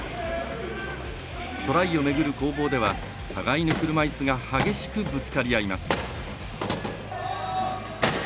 トライを巡る攻防では互いの車いすが激しく、ぶつかり合います。